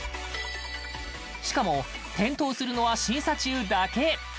しかも、点灯するのは審査中だけ。